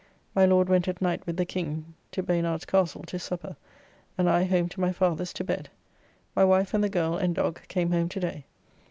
My Lord went at night with the King to Baynard's Castle' to supper, and I home to my father's to bed. My wife and the girl and dog came home to day.